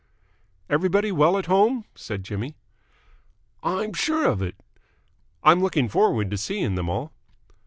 "Everybody well at home?" said Jimmy. "I'm sure of it." "I'm looking forward to seeing them all."